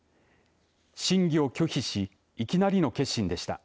審議を拒否しいきなりの結審でした。